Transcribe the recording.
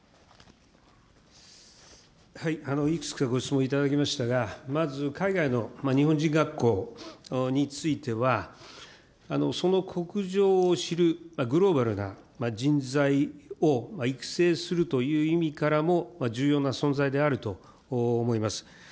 いくつかご質問いただきましたが、まず海外の日本人学校については、その国情を知る、グローバルな人材を育成するという意味からも、重要な存在であると思います。